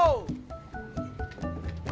pur cang ijo